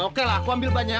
oke lah aku ambil bannya ya